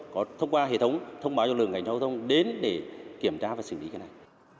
có thông qua hệ thống thông báo cho lực lượng cảnh giao thông đến để kiểm tra và xử lý